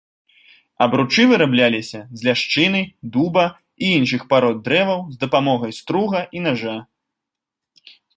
Абручы вырабляліся з ляшчыны, дуба і іншых парод дрэваў з дапамогай струга і нажа.